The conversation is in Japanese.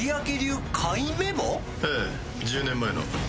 １０年前の。